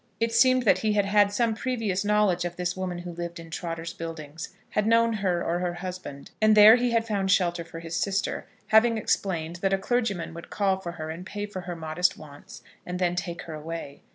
It seemed that he had had some previous knowledge of this woman who lived in Trotter's Buildings, had known her or her husband, and there he had found shelter for his sister, having explained that a clergyman would call for her and pay for her modest wants, and then take her away.